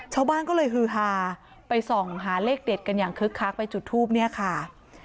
ชาวบ้านก็เลยฮือฮาไปส่องหาเลขเด็ดกันอย่างคึกคักไปจุดทูปเนี่ยค่ะ